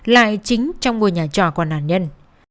lại chính trong ngôi nhà trò của nạn nhân